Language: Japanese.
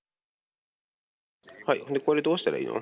ほんで、これ、どうしたらいいの？